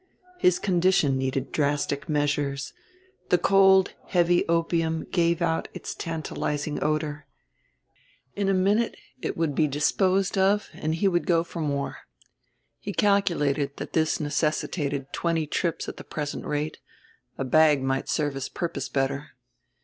His condition needed drastic measures. The cold heavy opium gave out its tantalizing odor. In a minute it would be disposed of and he would go for more. He calculated that this necessitated twenty trips at the present rate a bag might serve his purpose better.